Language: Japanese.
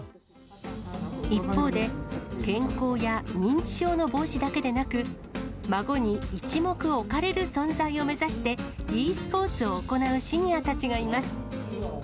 一方で、健康や認知症の防止だけでなく、孫に一目置かれる存在を目指して、ｅスポーツを行うシニアたちがいます。